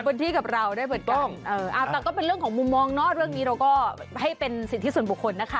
พื้นที่กับเราได้เปิดกล้องแต่ก็เป็นเรื่องของมุมมองเนาะเรื่องนี้เราก็ให้เป็นสิทธิส่วนบุคคลนะคะ